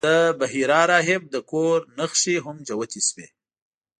د بحیرا راهب د کور نښې هم جوتې شوې.